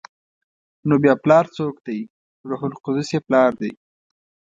نو بیا پلار څوک دی؟ روح القدس یې پلار دی؟